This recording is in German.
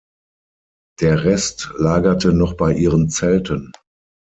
Der Rest lagerte noch bei ihren Zelten.